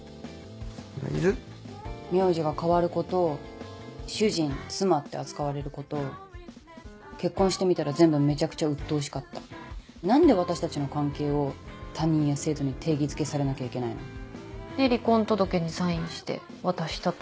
名字が変わること「主人」「妻」って扱われること結婚してみたら全部めちゃくちゃ何で私たちの関係を他人や制度に定義づけされなきゃいけないの？で離婚届にサインして渡したと。